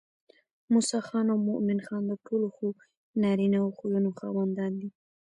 موسى خان او مومن خان د ټولو ښو نارينه خويونو خاوندان دي